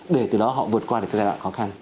để từ đó họ vượt qua được cái giai đoạn khó khăn